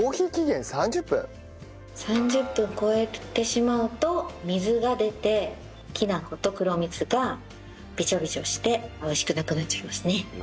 ３０分超えてしまうと水が出てきなこと黒蜜がベチョベチョして美味しくなくなっちゃいますね。